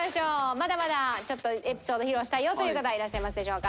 まだまだちょっとエピソード披露したいよという方いらっしゃいますでしょうか？